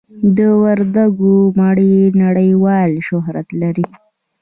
د وردګو مڼې نړیوال شهرت لري.